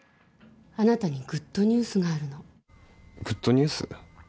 あなたにグッドニュースがあるのグッドニュース？